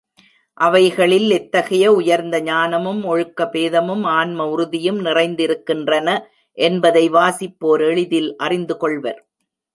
அவைகளில் எத்தகைய உயர்ந்த ஞானமும், ஒழுக்க போதமும், ஆன்ம உறுதியும் நிறைந்திருக்கின்றன என்பதை வாசிப்போர் எளிதில் அறிந்துகொள்வர்.